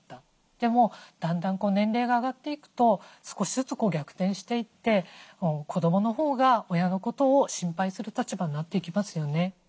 でもだんだん年齢が上がっていくと少しずつ逆転していって子どものほうが親のことを心配する立場になっていきますよね。